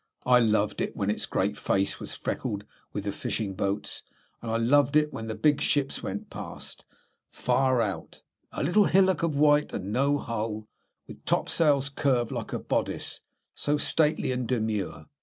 I loved it when its great face was freckled with the fishing boats, and I loved it when the big ships went past, far out, a little hillock of white and no hull, with topsails curved like a bodice, so stately and demure.